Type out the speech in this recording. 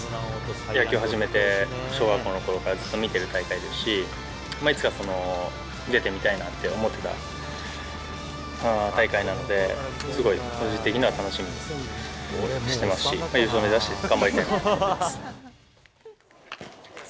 野球を始めて、小学校のころからずっと見てる大会ですし、いつか出てみたいなって思ってた大会なんで、すごい個人的には楽しみにしてますし、優勝目指して頑張りたいと思います。